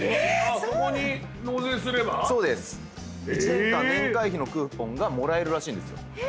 １年間年会費のクーポンがもらえるらしいんですよ。